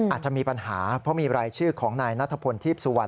อาจจะมีปัญหาเพราะมีรายชื่อของนายนัทพลทีพสุวรรณ